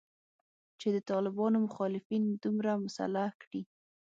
چې د طالبانو مخالفین دومره مسلح کړي